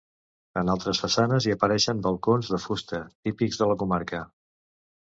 En altres façanes hi apareixen balcons de fusta, típics de la comarca.